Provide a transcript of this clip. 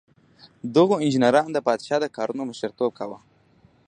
دغو انجینرانو د پادشاه د کارونو مشر توب کاوه.